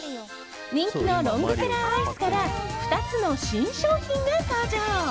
人気のロングセラーアイスから２つの新商品が登場。